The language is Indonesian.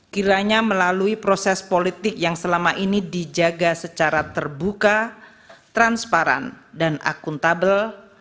kiranya melalui proses politik yang selama ini dijaga secara terbuka transparan dan akuntabel